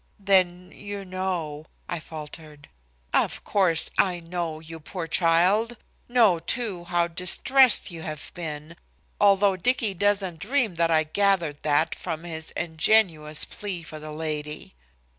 "Then you know," I faltered. "Of course, I know, you poor child; know, too, how distressed you have been, although Dicky doesn't dream that I gathered that from his ingenuous plea for the lady."